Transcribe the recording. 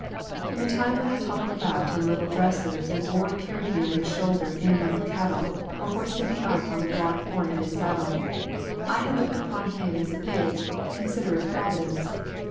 From the time when I toddled about in little dresses and Ward carried me on his shoulder in among the cattle or hoisted me up on the broad horn of his saddle, I had looked upon him as a big, considerate Providence.